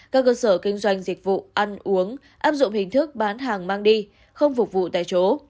các cơ sở kinh doanh dịch vụ ăn uống áp dụng hình thức bán hàng mang đi không phục vụ tại chỗ